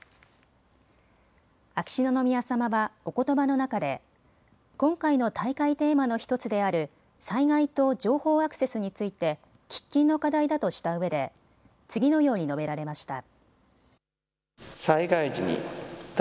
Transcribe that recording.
秋篠宮さまは、おことばの中で今回の大会テーマの１つである災害と情報アクセスについて喫緊の課題だとしたうえで次のように述べられました。